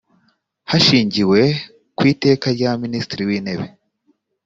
hashingiwe ku iteka rya minisitiri w’intebe